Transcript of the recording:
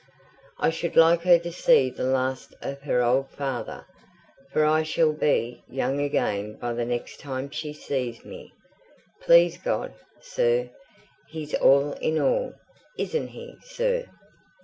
I should like her to see the last of her old father, for I shall be young again by the next time she sees me, please God, sir. He's all in all isn't he, sir?"